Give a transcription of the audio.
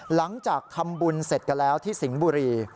หลังจากทำบุญเสร็จกันแล้วที่สิงห์บุรี